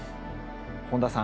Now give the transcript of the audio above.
本田さん。